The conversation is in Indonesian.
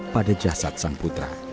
pada jasad sang putra